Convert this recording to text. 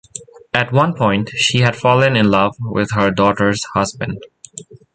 At one point she had fallen in love with her daughter's husband.